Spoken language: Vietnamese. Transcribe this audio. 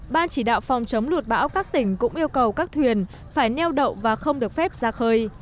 ban chỉ đạo phòng chống lụt bão các tỉnh cũng yêu cầu các thuyền phải neo đậu và không được phép ra khơi